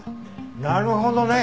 なるほどね。